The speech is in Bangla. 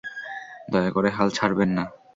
দয়া করে হাল ছাড়বেন না।